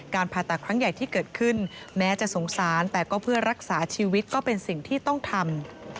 ผ่าตัดครั้งใหญ่ที่เกิดขึ้นแม้จะสงสารแต่ก็เพื่อรักษาชีวิตก็เป็นสิ่งที่ต้องทำ